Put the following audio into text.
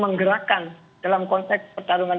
menggerakkan dalam konteks pertarungan